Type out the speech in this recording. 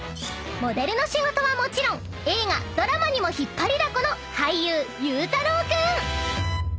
［モデルの仕事はもちろん映画ドラマにも引っ張りだこの俳優］